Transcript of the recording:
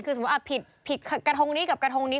คือสมมุติผิดกระทงนี้กับกระทงนี้